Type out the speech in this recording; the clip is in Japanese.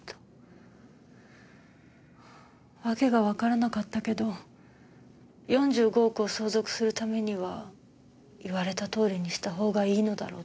訳がわからなかったけど４５億を相続するためには言われたとおりにした方がいいのだろうと思って。